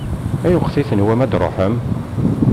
Ayweq i tenwam ad tṛuḥem?